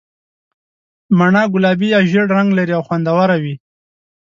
مڼه ګلابي یا ژېړ رنګ لري او خوندوره وي.